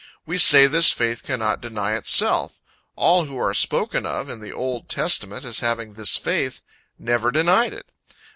We say this faith cannot deny itself. All who are spoken of in the Old Testament as having this faith never denied it.